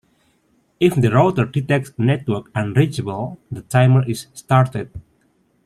If the router detects a network unreachable, the timer is started.